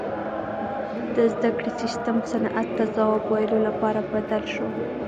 • د زدهکړې سیستم صنعت ته ځواب ویلو لپاره بدل شو.